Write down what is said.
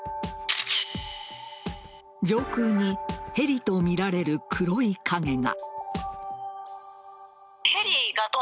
上空にヘリとみられる黒い影が。